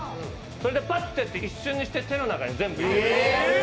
それでぱっとやって一瞬にして手の中に全部消える。